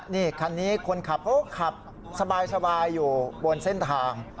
นี่คันนี้คนขับเขาก็ขับสบายอยู่บนเส้นทาง